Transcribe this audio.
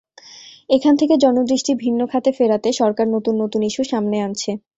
এখান থেকে জনদৃষ্টি ভিন্ন খাতে ফেরাতে সরকার নতুুন নতুন ইস্যু সামনে আনছে।